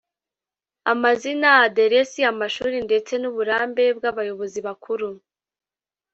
amazina, aderesi, amashuri ndetse n’uburambe by’abayobozi bakuru;